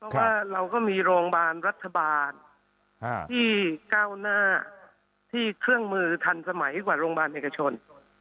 เพราะว่าเราก็มีโรงพยาบาลรัฐบาลที่ก้าวหน้าที่เครื่องมือทันสมัยกว่าโรงพยาบาลเอกชน